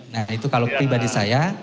nah itu kalau pribadi saya